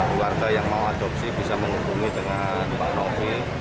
di warga yang mau adopsi bisa menghubungi dengan pak roky